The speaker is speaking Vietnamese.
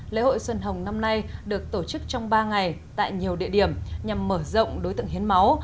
lễ hội xuân hồng năm nay được tổ chức trong ba ngày tại nhiều địa điểm nhằm mở rộng đối tượng hiến máu